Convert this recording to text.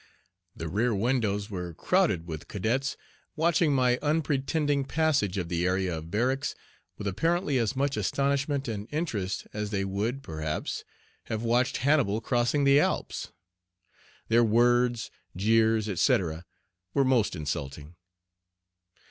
The rear windows were crowded with cadets watching my unpretending passage of the area of barracks with apparently as much astonishment and interest as they would, perhaps, have watched Hannibal crossing the Alps. Their words, jeers, etc., were most insulting.